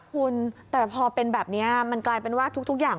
คุณแต่พอเป็นแบบนี้มันกลายเป็นว่าทุกอย่าง